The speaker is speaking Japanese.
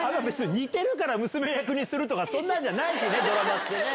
似てるから娘役にするとかそんなんじゃないしね、ドラマってね。